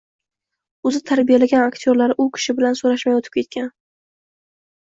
Oʻzi tarbiyalagan aktyorlari u kishi bilan soʻrashmay oʻtib ketgan…